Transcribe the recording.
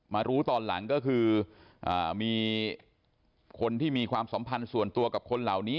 รู้ตอนหลังก็คือมีคนที่มีความสัมพันธ์ส่วนตัวกับคนเหล่านี้